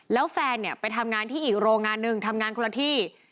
แล้วแฟนเนี่ยไปทำงานที่อีกโรงงานหนึ่งทำงานคนละที่